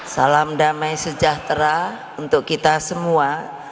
salam damai sejahtera untuk kita semua